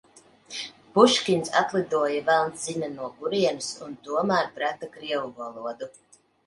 Puškins atlidoja velns zina no kurienes un tomēr prata krievu valodu.